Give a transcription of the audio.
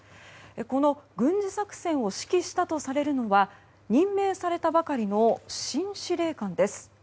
この軍事作戦を指揮したとされるのは任命されたばかりの新司令官です。